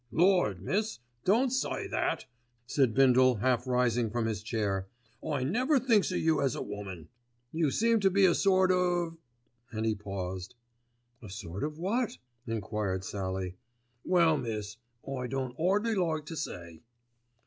"Lord, miss, don't say that," said Bindle half rising from his chair. "I never thinks o' you as a woman. You seem to be a sort of——" and he paused. "A sort of what?" enquired Sallie. "Well, miss, I don't 'ardly like to say."